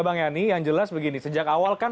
bang yani yang jelas begini sejak awal kan